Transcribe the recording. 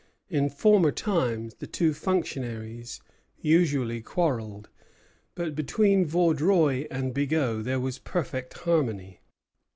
In former times the two functionaries usually quarrelled; but between Vaudreuil and Bigot there was perfect harmony.